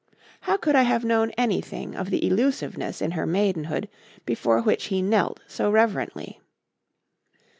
How could I have known anything of the elusiveness in her maidenhood before which he knelt so reverently?